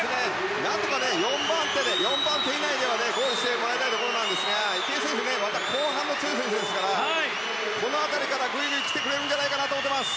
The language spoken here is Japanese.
なんとか４番手以内ではゴールしてもらいたいんですが池江選手また後半も強い選手ですからこの辺りからぐいぐい来てくれるんじゃないかなと思っています。